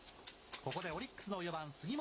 ここでオリックスの４番杉本。